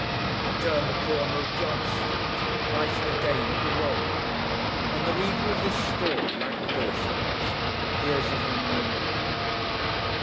He turned the corner of Judd Street biting again at the roll, and the reader of this story, like the Lewishams, hears of him no more.